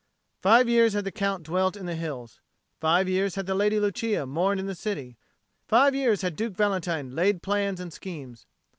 Five years had the Count dwelt in the hills; five years had the Lady Lucia mourned in the city; five years had Duke Valentine laid plans and schemes.